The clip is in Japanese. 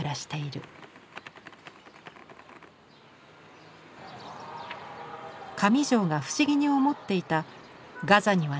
上條が不思議に思っていたガザにはないはずの花。